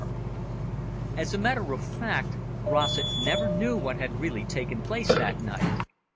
As a matter of fact, Rossett never knew what had really taken place that night.